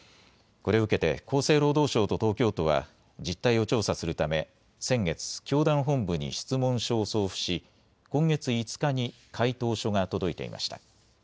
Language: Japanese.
これを受けて厚生労働省と東京都は実態を調査するため先月、教団本部に質問書を送付し今月５日に回答書が届いていました。